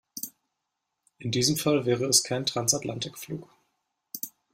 In diesem Fall wäre es kein Transatlantikflug.